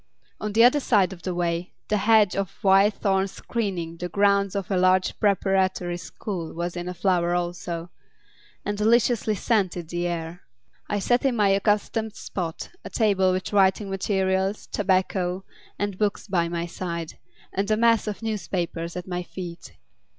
On the other side of the way the hedge of white thorn screening the grounds of a large preparatory school was in flower also, and deliciously scented the air. I sat in my accustomed spot, a table with writing materials, tobacco, and books by my side, and a mass of newspapers at my feet.